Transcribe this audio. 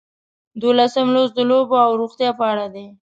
دولسم لوست د لوبو او روغتیا په اړه دی.